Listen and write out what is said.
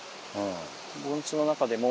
盆地の中でも。